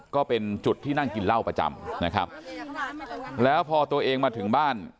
ก็เป็นจุดที่นั่งกินเหล้าประจำนะครับแล้วพอตัวเองมาถึงบ้าน